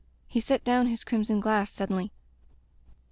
He set down his crimson glass sud denly.